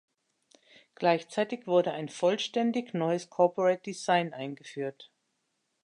Gleichzeitig wurde ein vollständig neues Corporate Design eingeführt.